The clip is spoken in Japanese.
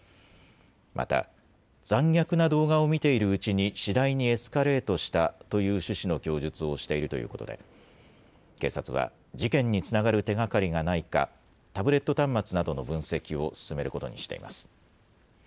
また、残虐な動画を見ているうちに次第にエスカレートしたという趣旨の供述をしているということで、警察は事件につながる手がかりがないか、タブレット端末などの分析を進めることにしています。